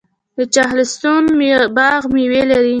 د چهلستون باغ میوې لري.